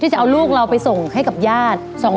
จะเอาลูกเราไปส่งให้กับญาติ